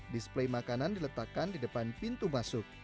display makanan diletakkan di depan pintu masuk